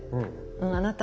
あなた